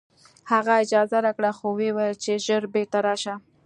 هغه اجازه راکړه خو وویل چې ژر بېرته راشه